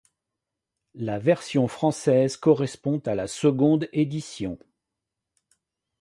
La version française correspond à la seconde édition.